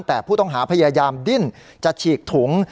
แต่ผู้ต้องหาพยายามดิ้นจะฉีกถุง